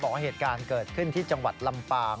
บอกว่าเหตุการณ์เกิดขึ้นที่จังหวัดลำปาง